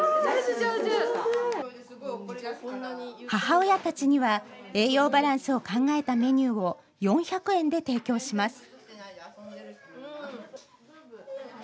母親たちには栄養バランスを考えたメニューを４００円で提供します。